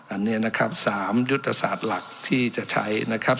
อันนี้นะครับ๓ยุทธศาสตร์หลักที่จะใช้นะครับ